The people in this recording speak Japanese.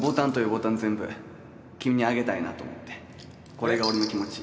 これが俺の気持ち。